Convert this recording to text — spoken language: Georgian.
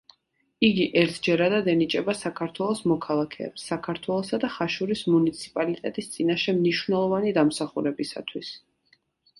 იგი ერთჯერადად ენიჭება საქართველოს მოქალაქეებს საქართველოსა და ხაშურის მუნიციპალიტეტის წინაშე მნიშვნელოვანი დამსახურებისათვის.